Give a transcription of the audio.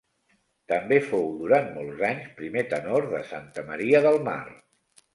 També fou, durant molts anys, primer tenor de Santa Maria del Mar.